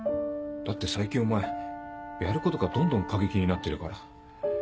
だって最近お前やることがどんどん過激になってるから。